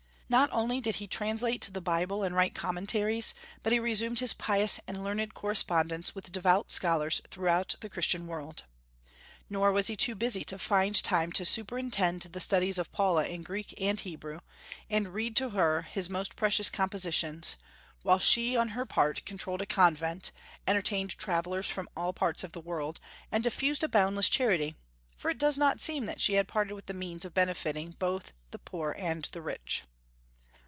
Not only did he translate the Bible and write commentaries, but he resumed his pious and learned correspondence with devout scholars throughout the Christian world. Nor was he too busy to find time to superintend the studies of Paula in Greek and Hebrew, and read to her his most precious compositions; while she, on her part, controlled a convent, entertained travellers from all parts of the world, and diffused a boundless charity, for it does not seem that she had parted with the means of benefiting both the poor and the rich.